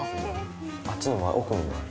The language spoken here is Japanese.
あっちにも奥にもある。